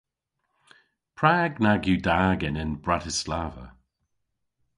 Prag nag yw da genen Bratislava?